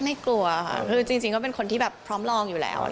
กลัวค่ะคือจริงก็เป็นคนที่แบบพร้อมลองอยู่แล้ว